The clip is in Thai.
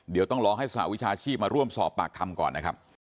เดี๋ยวต้องรอให้สหวิชาชีพมาร่วมสอบปากคำก่อนนะครับ